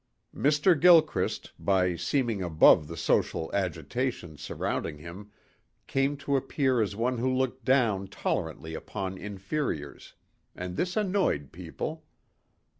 Mr. Gilchrist, by seeming above the social agitations surrounding him came to appear as one who looked down tolerantly upon inferiors and this annoyed people.